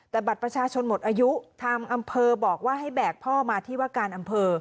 แต่บัตรประชาชนหมดอายุทางอำเภอบอกว่าให้แบกพ่อมาที่ว่าการอำเภอ